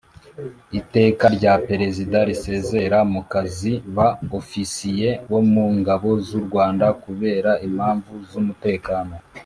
Iteka rya perezida risezerera mu kazi ba ofisiye bo mu ngabo z u rwanda kubera impamvu z umutekano